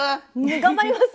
頑張ります！